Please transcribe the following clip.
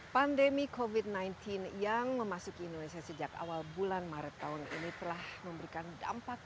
pandemi covid sembilan belas yang memasuki indonesia sejak awal bulan maret tahun ini telah memberikan dampak